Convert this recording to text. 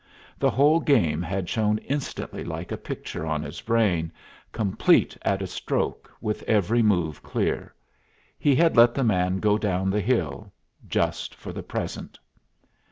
The whole game had shown instantly like a picture on his brain, complete at a stroke, with every move clear. He had let the man go down the hill just for the present.